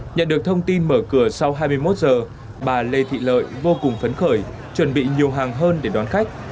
nhận được thông tin mở cửa sau hai mươi một giờ bà lê thị lợi vô cùng phấn khởi chuẩn bị nhiều hàng hơn để đón khách